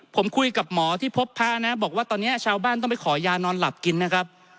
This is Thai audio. ผมคุยกับหมอที่พบพระนะบอกว่าตอนนี้ชาวบ้านต้องไปขอยานอนหลับกินนะครับ